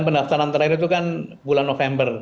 pendaftaran terakhir itu kan bulan november